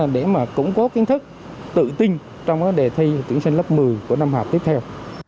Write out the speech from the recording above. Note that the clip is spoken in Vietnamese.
để mà củng cố kiến thức tự tin trong đề thi tuyển sinh lớp một mươi của năm học tiếp theo